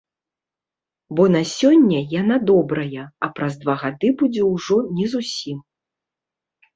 Бо на сёння яна добрая, а праз два гады будзе ужо не зусім.